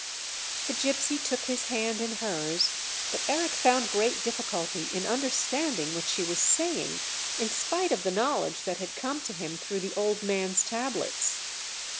The gypsy took his hand in hers, but Eric found great difficulty in understanding what she was saying, in spite of the knowledge that had come to him through the old man's tablets.